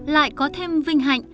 lại có thêm vinh hạnh